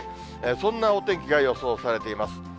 そんなお天気が予想されています。